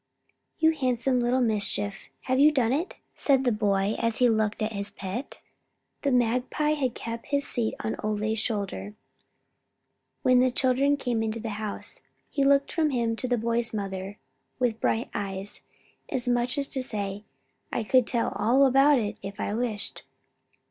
"You handsome little mischief, have you done it?" said the boy, as he looked at his pet. The magpie had kept his seat on Ole's shoulder when the children came into the house. He looked from him to the boy's mother with bright eyes, as much as to say, "I could tell all about it, if I wished."